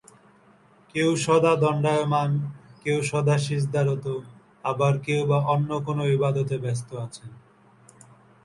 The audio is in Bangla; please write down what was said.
কেউ সদা দণ্ডায়মান, কেউ সদা সিজদারত আবার কেউবা অন্য কোন ইবাদতে ব্যস্ত আছেন।